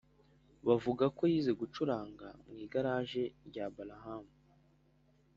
bavuga ko yize gucuranga mu igaraje rya balham